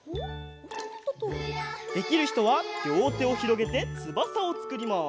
できるひとはりょうてをひろげてつばさをつくります。